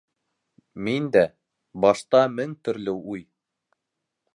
- Мин дә... башта мең төрлө уй...